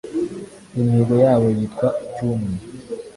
Imihigo yabo yitwa « icy’umwe »